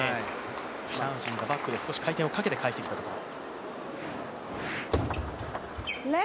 チャン・ウジンがバックで少し回転をかけて返してきたところ。